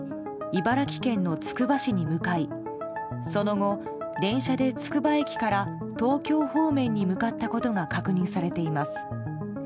茨城県のつくば市に向かいその後、電車でつくば駅から東京方面に向かったことが確認されています。